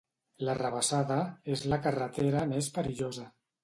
L'Arrabassada és la carretera més perillosa.